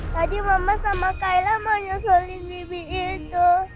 tadi mama sama kayla menyesalin bibi itu